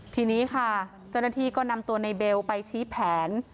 ทีนี้ค่ะเจ้าหน้าที่ก็นำตัวในเบลไปชี้แผน